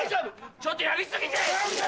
ちょっとやり過ぎじゃ。